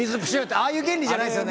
ああいう原理じゃないですよね？